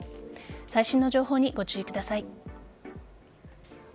最新の情報にご注意ください。